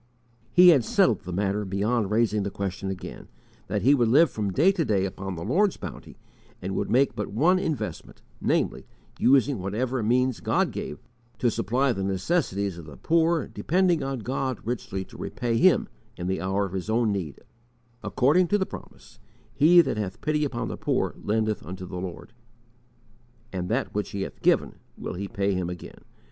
He had settled the matter beyond raising the question again, that he would live from day to day upon the Lord's bounty, and would make but one investment, namely, using whatever means God gave, to supply the necessities of the poor, depending on God richly to repay him in the hour of his own need, according to the promise: "He that hath pity upon the poor lendeth unto the Lord; And that which he hath given will He pay him again."